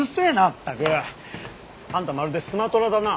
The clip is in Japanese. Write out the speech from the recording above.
ったく！あんたまるでスマトラだな。